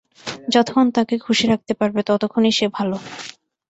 যতক্ষণ তাকে খুশি রাখতে পারবে, ততক্ষণই সে ভালো।